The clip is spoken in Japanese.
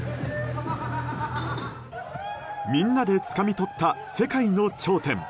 みんなでつかみとった世界の頂点。